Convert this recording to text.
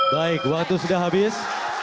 baik waktu sudah habis